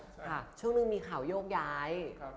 แล้วเราก็คิดว่าอยู่ตรงนี้เราสามารถ